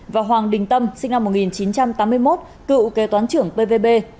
và hoàng đình tâm sinh năm một nghìn chín trăm tám mươi một cựu kế toán trưởng pvb